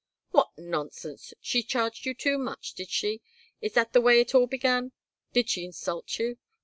"What nonsense! She charged you too much, did she? Is that the way it all began? Did she insult you?